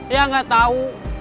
ya gak tau